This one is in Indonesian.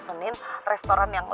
ada masih ada